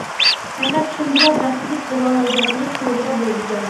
پەقەت شۇندىلا بەختلىك بولالايدىغاندەك تۇيغۇدا بولىدىكەن.